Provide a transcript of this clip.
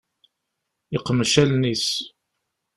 Yeqmec allen-is.